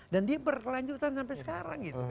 dan dia berlanjutan sampai sekarang